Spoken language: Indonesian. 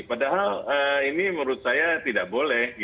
padahal ini menurut saya tidak boleh